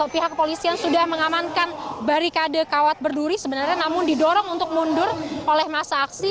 pihak kepolisian sudah mengamankan barikade kawat berduri sebenarnya namun didorong untuk mundur oleh masa aksi